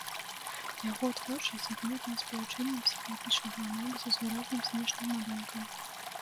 Яго творчасць адметная спалучэннем псіхалагічнага аналізу з выразным знешнім малюнкам.